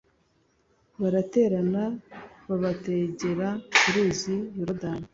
baraterana babategera ku ruzi yorodani